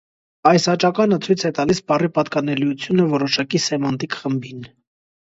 Այս աճականը ցույց է տալիս բառի պատկանելիությունը որոշակի սեմանտիկ խմբին։